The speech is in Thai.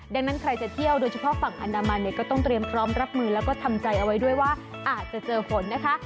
ดังนั้นใครจะเที่ยวโดยเฉพาะฝั่งอันดามันเนี่ยก็ต้องเตรียมพร้อมรับมือแล้วก็ทำใจเอาไว้ด้วยว่าอาจจะเจอฝนนะคะ